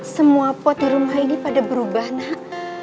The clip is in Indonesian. semua pot di rumah ini pada berubah nak